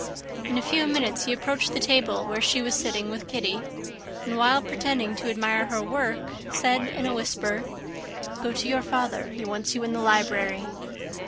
In a few minutes he approached the table where she was sitting with Kitty; and, while pretending to admire her work, said in a whisper, "Go to your father; he wants you in the library."